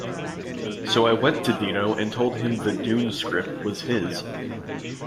So I went to Dino and told him the "Dune" script was his.